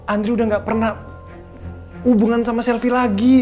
andri udah gak pernah hubungan sama selvi lagi